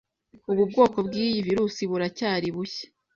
Ubu bwoko bw'iyi virus buracyari bushya